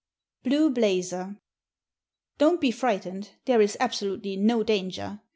Blue Blazer. Don't be frightened; there is absolutely no danger.